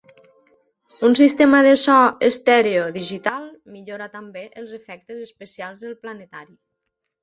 Un sistema de so estèreo digital millora també els efectes especials del planetari.